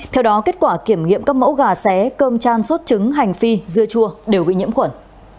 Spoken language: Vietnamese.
theo đó kết quả kiểm nghiệm các mẫu gà xé cơm chan sốt trứng hành phi dưa chua đều bị nhiễm khuẩn